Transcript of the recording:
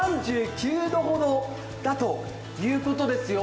３９度ほどだということですよ。